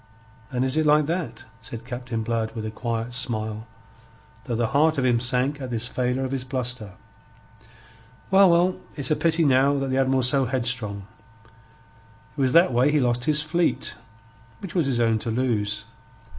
"And is it like that?" said Captain Blood with a quiet smile, though the heart of him sank at this failure of his bluster. "Well, well, it's a pity now that the Admiral's so headstrong. It was that way he lost his fleet, which was his own to lose.